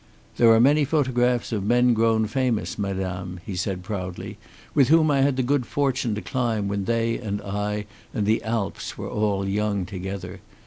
"There are many photographs of men grown famous, madame," he said, proudly, "with whom I had the good fortune to climb when they and I and the Alps were all young together.